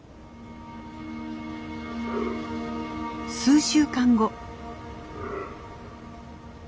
数週間後。